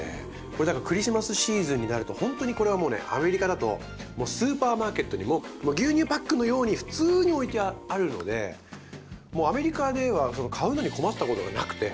これクリスマスシーズンになるとほんとにこれはもうねアメリカだとスーパーマーケットにも牛乳パックのように普通に置いてあるのでもうアメリカでは買うのに困ったことがなくて。